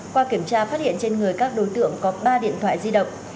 qua kiểm tra phát hiện trên người các đối tượng có ba điện thoại di động